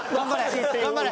頑張れ！